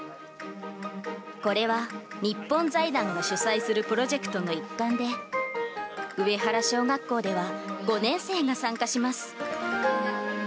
これは日本財団が主催するプロジェクトの一環で、上原小学校では、５年生が参加します。